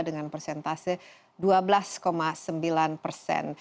dengan persentase dua belas sembilan persen